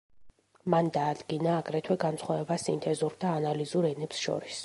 მან დაადგინა აგრეთვე განსხვავება სინთეზურ და ანალიზურ ენებს შორის.